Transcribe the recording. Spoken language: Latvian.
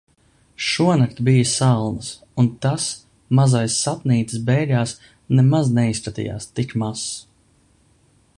Šonakt bija salnas. Un tas mazais sapnītis beigās nemaz neizskatījās tik mazs.